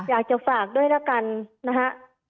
อยากจะฝากด้วยแล้วกันนะฮะ